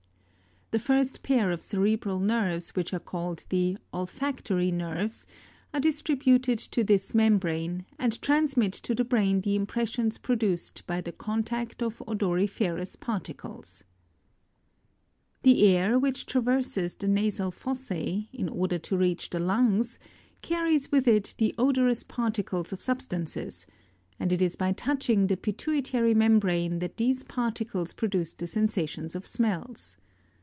29. The first pair of cerebral nerves which are called the olfac tory nerves, are distributed to this membrane, and transmit to the brain the impressions produced by the contact of odoriferous particles. 30. The air which traverses the nasal fossae in order to reach the lungs, carries with it the odorous particles of substances, and it is by touching the pituitary membrane that these particles pro duce the sensations of smells.